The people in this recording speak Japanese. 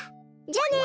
じゃあね。